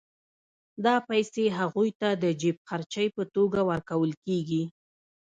دا پیسې هغوی ته د جېب خرچۍ په توګه ورکول کېږي